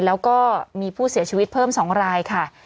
แล้วก็มีผู้เสียชีวิตเพิ่ม๒รายค่ะ